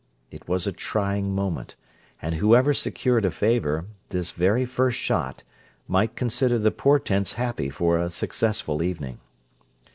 It was a trying moment; and whoever secured a favour, this very first shot, might consider the portents happy for a successful evening.